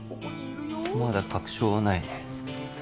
まだ確証はないね